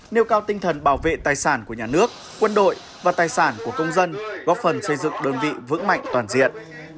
nêu cao tinh thần bảo vệ tài sản của nhà nước quân đội và tài sản của công dân góp phần xây dựng đơn vị vững mạnh toàn diện